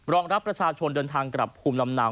รองรับประชาชนเดินทางกลับภูมิลำเนา